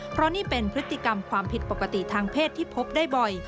เพราะนี่เป็นพฤติกรรมความผิดปกติทางเพศที่พบได้บ่อย